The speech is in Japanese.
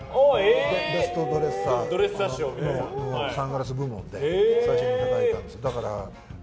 ベストドレッサーのサングラス部門で最終的に入ったんです。